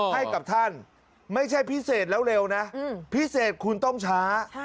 ให้กับท่านไม่ใช่พิเศษแล้วเร็วนะพิเศษคุณต้องช้า